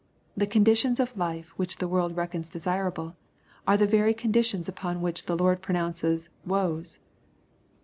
The conditions of life which the world reckons desirable, are the very conditions upon which the Lord pronounces "woes."